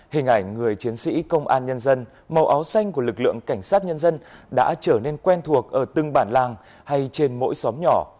hình ảnh người chiến sĩ công an nhân dân màu áo xanh của lực lượng cảnh sát nhân dân đã trở nên quen thuộc ở từng bản làng hay trên mỗi xóm nhỏ